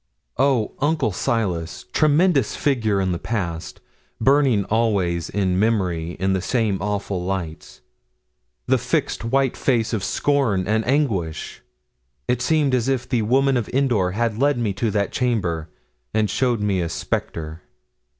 Oh! Uncle Silas, tremendous figure in the past, burning always in memory in the same awful lights; the fixed white face of scorn and anguish! It seems as if the Woman of Endor had led me to that chamber and showed me a spectre.